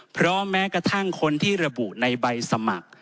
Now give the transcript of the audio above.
เพราะแม้กระทั่งคนที่ระบุในใบสมัคร